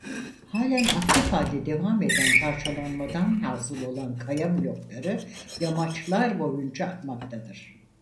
Halen aktif halde devam eden parçalanmadan hasıl olan kaya blokları yamaçlar boyunca akmaktadır.